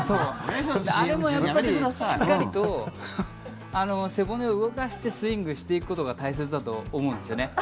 あれもしっかりと背骨を動かしてスイングしていくことが大切だと思うんですよね。